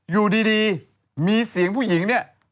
อยู่ดีมีเสียงผู้หญิงเนี่ย